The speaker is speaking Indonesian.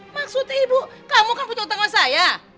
maksud ibu kamu kan punya utang sama saya